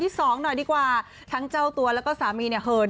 สวัสดิ์อีกหนึ่งแม่ค่ะแม่แอน